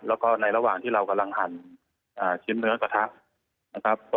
แล้วก็ในระหว่างที่เรากำลังหั่นชิ้นเนื้อกระทะนะครับ